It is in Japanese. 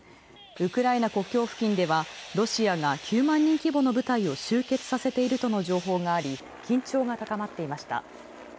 ウクライナ国境付近ではロシアが９万人規模の部隊を集結させているとの情報があり、緊張が高まっていました。